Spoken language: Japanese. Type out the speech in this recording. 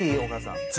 お母さん。